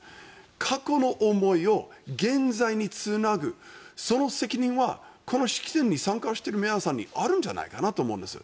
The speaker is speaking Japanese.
過去の思いを現在につなぐその責任はこの式典に参加している皆さんにあるんじゃないかなと思うんです。